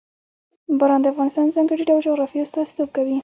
باران د افغانستان د ځانګړي ډول جغرافیه استازیتوب کوي.